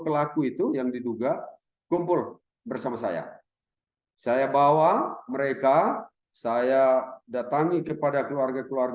pelaku itu yang diduga kumpul bersama saya saya bawa mereka saya datangi kepada keluarga keluarga